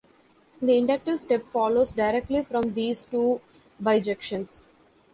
The inductive step follows directly from these two bijections.